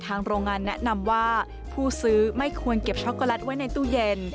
โรงงานแนะนำว่าผู้ซื้อไม่ควรเก็บช็อกโกแลตไว้ในตู้เย็น